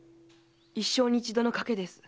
一生に一度の賭けです。